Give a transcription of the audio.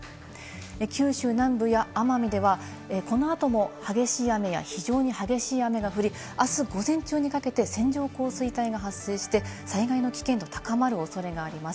九州南部や奄美ではこのあとも激しい雨や、非常に激しい雨が降り、あす午前中にかけて線状降水帯が発生して災害の危険度高まるおそれがあります。